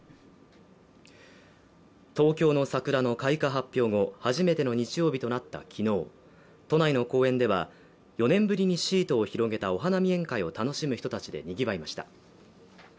東京の桜の開花発表後初めての日曜日となった昨日、都内の公園では、４年ぶりにシートを広げたお花見宴会を楽しむ人たちでにぎわいました。